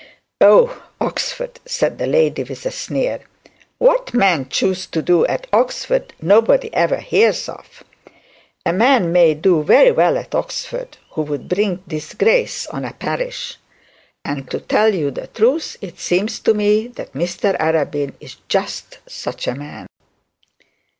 'Oh, Oxford!' said the lady, with a sneer. 'What men choose to do at Oxford, nobody ever hears of. A man may do very well at Oxford who would bring disgrace on a parish; and, to tell you the truth, it seems to me that Mr Arabin is just such a man.'